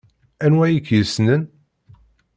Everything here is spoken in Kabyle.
Anwa i k-yessnen?